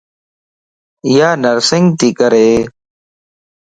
ايانرسنگ تي ڪري